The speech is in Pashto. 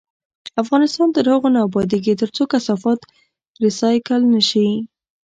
افغانستان تر هغو نه ابادیږي، ترڅو کثافات ریسایکل نشي.